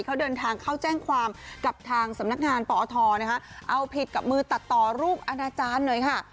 เขาเดินทางเข้าแจ้งความกับทางสำนักงานปอทนะคะเอาผิดกับมือตัดต่อรูปอนาจารย์หน่อยค่ะ